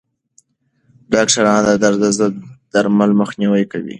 ډاکټران د درد ضد درملو مخنیوی کوي.